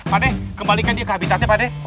pak dek kembalikan dia ke habitatnya pak dek